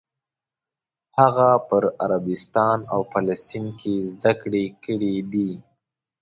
هغه په عربستان او فلسطین کې زده کړې کړې دي.